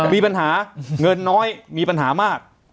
มีปัญหาเงินน้อยมีปัญหามาก